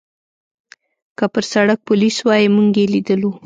که پر سړک پولیس وای، موږ یې لیدلو.